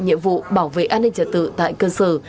nhiệm vụ bảo vệ an ninh trật tự tại cơ sở